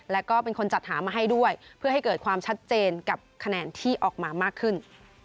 แล้วก็เป็นคนจัดหามาให้ด้วยเพื่อให้เกิดความชัดเจนกับคะแนนที่ออกมามากขึ้น